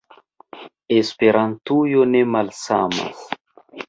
Esperantujo ne malsamas.